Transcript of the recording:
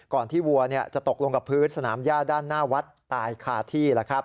ที่วัวจะตกลงกับพื้นสนามย่าด้านหน้าวัดตายคาที่